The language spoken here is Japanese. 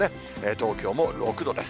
東京も６度です。